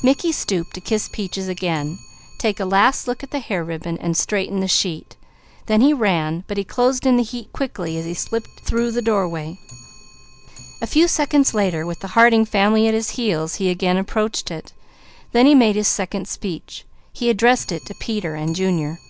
Mickey stooped to kiss Peaches again, take a last look at the hair ribbon, and straighten the sheet, then he ran; but he closed in the heat quickly as he slipped through the doorway. A few seconds later with the Harding family at his heels he again approached it. There he made his second speech. He addressed it to Peter and Junior.